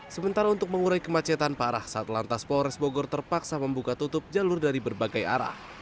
sementara untuk mengurai kemacetan parah saat lantas polres bogor terpaksa membuka tutup jalur dari berbagai arah